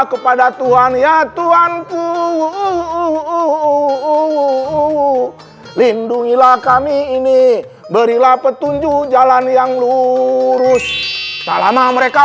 kepada tuhan ya tuhan ku lindungilah kami ini berilah petunjuk jalan yang lurus selama mereka